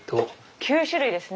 ９種類ですね。